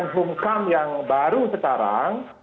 homecam yang baru sekarang